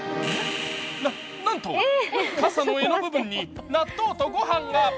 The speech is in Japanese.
なんと傘の柄の部分に納豆とごはんが。